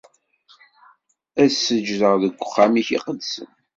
Ad seǧǧdeɣ deg uxxam-ik iqedsen.